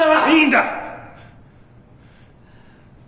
いいんだ！